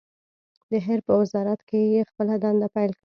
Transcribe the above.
د حرب په وزارت کې يې خپله دنده پیل کړه.